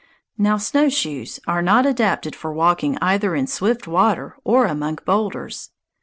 Now snowshoes are not adapted for walking either in swift water or among boulders.